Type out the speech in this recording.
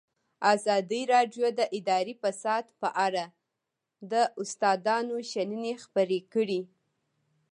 ازادي راډیو د اداري فساد په اړه د استادانو شننې خپرې کړي.